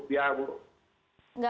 tidak untung pak